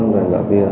và giả viên